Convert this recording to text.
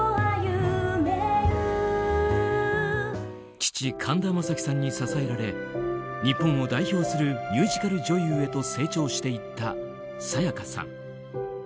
父・神田正輝さんに支えられ日本を代表するミュージカル女優へと成長していった、沙也加さん。